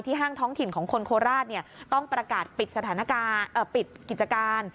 ที่ห้างท้องถิ่นของคนโคราชต้องประกาศปิดกิจการ